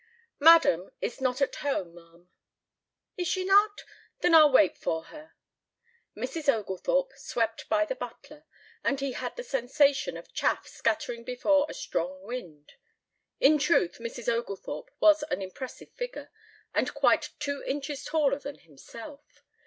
V "Madam is not at home, ma'am." "Is she not? Then I'll wait for her." Mrs. Oglethorpe swept by the butler and he had the sensation of chaff scattering before a strong wind. In truth Mrs. Oglethorpe was an impressive figure and quite two inches taller than himself.